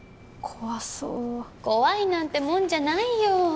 怖そう怖いなんてもんじゃないよ